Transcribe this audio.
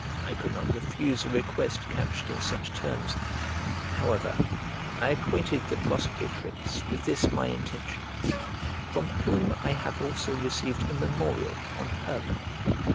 I could not refuse a request couched in such terms; however, I acquainted the prosecutrix with this my intention, from whom I have also received a memorial on her part.